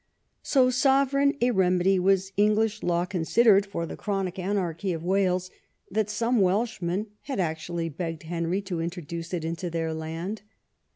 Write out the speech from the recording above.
So sovereign a remedy was English law considered for the chronic anarchy of Wales, that some Welshmen had actually begged Henry to introduce it into their land.